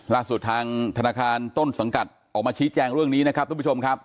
ทางธนาคารต้นสังกัดออกมาชี้แจงเรื่องนี้นะครับทุกผู้ชมครับ